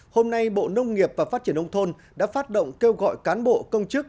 hôm nay bộ nông nghiệp và phát triển nông thôn đã phát động kêu gọi cán bộ công chức